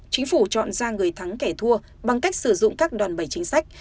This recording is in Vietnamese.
chính phủ chọn ra người thắng kẻ thua bằng cách sử dụng các đòn bẩy chính sách